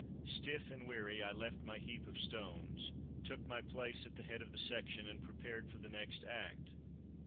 Stiff and weary, I left my heap of stones, took my place at the head of the section, and prepared for the next act.